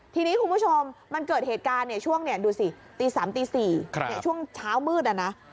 ทีนี้คุณผู้ชมมันเกิดเหตุการณ์ช่วงดูสิตี๓ตี๔ช่วงเช้ามืดนะ